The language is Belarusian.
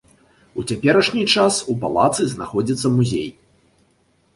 У цяперашні час у палацы знаходзіцца музей.